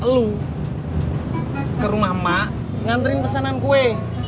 lu ke rumah mak nganterin pesanan gue